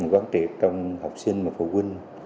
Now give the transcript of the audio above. góng triệt trong học sinh và phụ huynh